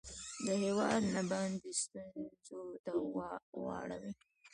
د هیواد نه باندې ستونځو ته واړوي